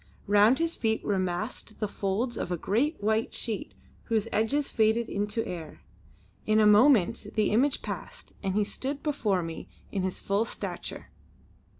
Round his feet were massed the folds of a great white sheet whose edges faded into air. In a moment the image passed, and he stood before me in his full stature.